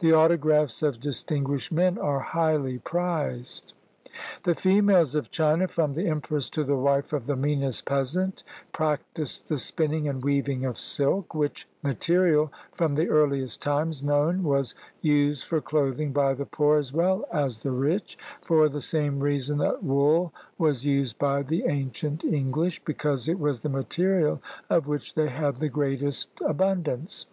The autographs of distinguished men are highly prized. The females of China, from the empress to the wife of the meanest peasant, practiced the spinning and weav ing of silk; which material, from the earhest times known, was used for clothing by the poor as well as the rich, for the same reason that wool was used by the ancient English — because it was the material of which they had the greatest abundance.